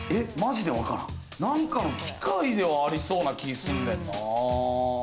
何かの機械ではありそうな気がすんねんな。